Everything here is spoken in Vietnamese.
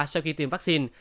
sau khi tiêm vaccine